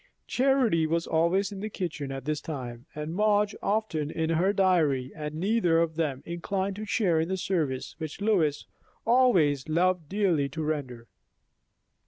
Charity was always in the kitchen at this time, and Madge often in her dairy, and neither of them inclined to share in the service which Lois always loved dearly to render.